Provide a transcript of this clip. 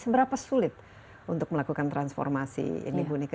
seberapa sulit untuk melakukan transformasi ini bu nika